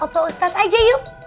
pak ustadz aja yuk